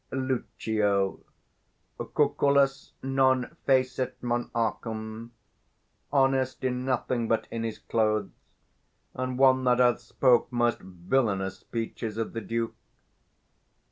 260 Lucio. 'Cucullus non facit monachum:' honest in nothing but in his clothes; and one that hath spoke most villanous speeches of the Duke.